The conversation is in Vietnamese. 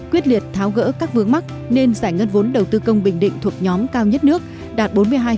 quyết liệt tháo gỡ các vướng mắc nên giải ngân vốn đầu tư công bình định thuộc nhóm cao nhất nước đạt bốn mươi hai